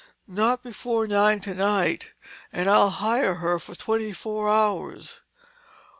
"Not before nine tonight—and I'll hire her for twenty four hours."